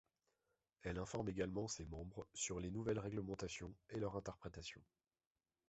Elle informe également ses membres sur les nouvelles réglementations et leur interprétation.